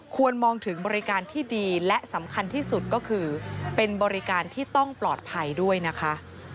มองถึงบริการที่ดีและสำคัญที่สุดก็คือเป็นบริการที่ต้องปลอดภัยด้วยนะคะ